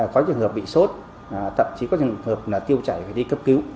có trường hợp bị sốt thậm chí có trường hợp tiêu chảy phải đi cấp cứu